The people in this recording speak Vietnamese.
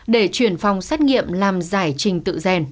để chuyển phòng xét nghiệm làm giải trình tự rèn